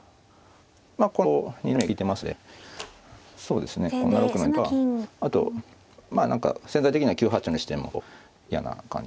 まあこのこうにらみが利いてますのでそうですね７六の地点とかあとまあ何か潜在的には９八の地点もこう嫌な感じで。